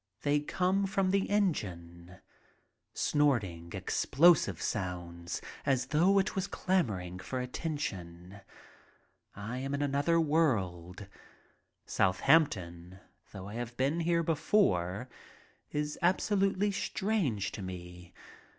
They come from the engine — snorting, explosive sounds, as though it was clamoring for attention. I am in another world. Southampton, though I have been there before, is absolutely strange to me.